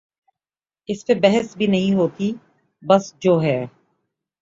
اس پہ بحث بھی نہیں ہوتی بس جو ہے۔